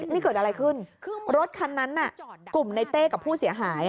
นี่เกิดอะไรขึ้นรถคันนั้นน่ะกลุ่มในเต้กับผู้เสียหาย